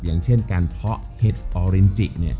อย่างเช่นการเพาะเท็จออรินจิ